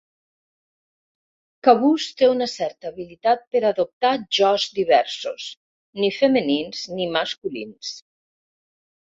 Cabús té una certa habilitat per adoptar jos diversos, ni femenins ni masculins.